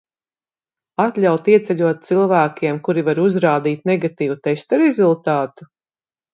Atļaut ieceļot cilvēkiem, kuri var uzrādīt negatīvu testa rezultātu?